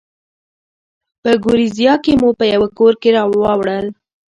په ګوریزیا کې مو په یوه کور کې واړول.